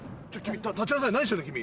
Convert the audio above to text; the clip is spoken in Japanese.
立ちなさい何してるの君。